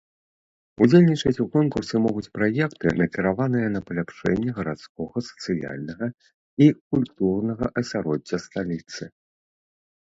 Удзельнічаць у конкурсе могуць праекты, накіраваныя на паляпшэнне гарадскога сацыяльнага і культурнага асяроддзя сталіцы.